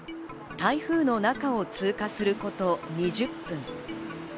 台風の中を通過すること２０分。